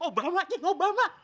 obama cik obama